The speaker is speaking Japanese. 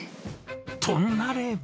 となれば。